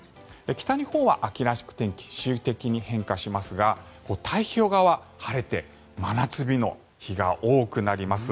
北日本は秋らしく天気は周期的に変化しますが太平洋側は晴れて真夏日の日が多くなります。